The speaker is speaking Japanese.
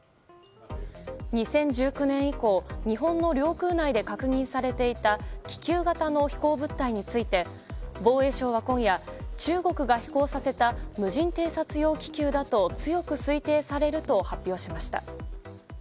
２０１９年以降日本の領空内で確認されていた気球型の飛行物体について防衛省は今夜、中国が飛行させた無人偵察用気球だと強く推定されると発表しました。